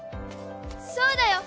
そうだよ！